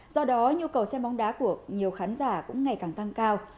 do đó nhu cầu xem bóng đá của nhiều khán giả cũng ngày càng tăng cao